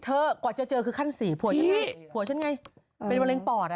กว่าจะเจอคือขั้นสี่ผัวฉันไงผัวฉันไงเป็นมะเร็งปอดอ่ะ